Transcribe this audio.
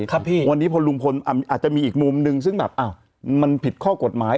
พี่วันนี้พอลุงพลอาจจะมีอีกมุมนึงซึ่งแบบอ้าวมันผิดข้อกฎหมาย